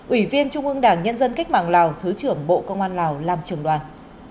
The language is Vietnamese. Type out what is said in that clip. ủy viên trung ương đảng nhân dân cách mạng lào thứ trưởng bộ công an lào làm trưởng đoàn